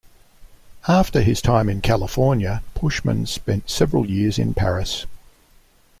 After his time in California Pushman spent several years in Paris.